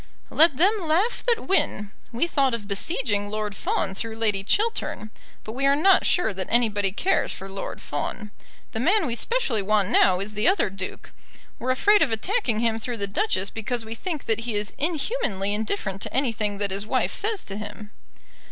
"Let them laugh that win. We thought of besieging Lord Fawn through Lady Chiltern, but we are not sure that anybody cares for Lord Fawn. The man we specially want now is the other Duke. We're afraid of attacking him through the Duchess because we think that he is inhumanly indifferent to anything that his wife says to him."